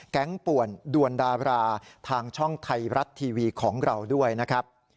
ป่วนดวนดาราทางช่องไทยรัฐทีวีของเราด้วยนะครับ